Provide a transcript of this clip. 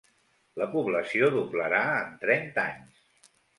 La població doblarà en trenta anys.